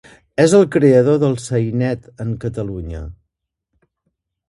És el creador del sainet en Catalunya.